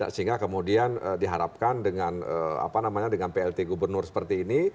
sehingga kemudian diharapkan dengan plt gubernur seperti ini